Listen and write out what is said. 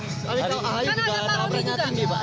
kan ada pak romi juga